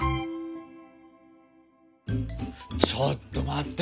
ちょっと待ってよ